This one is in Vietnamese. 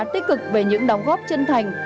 tích cực về những đóng góp chân thành